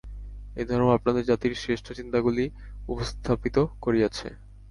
এই ধর্ম আপনাদের জাতির শ্রেষ্ঠ চিন্তাগুলি উপস্থাপিত করিয়াছে।